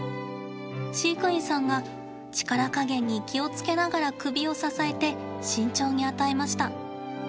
飼育員さんが力加減に気をつけながら首を支えて慎重に与えました。